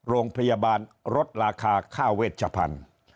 โรงพยาบาลลดราคาค่าเวชพันธุ์